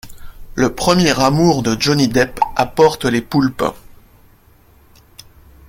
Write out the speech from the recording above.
Le premier amour de Johnny Depp apporte les poulpes.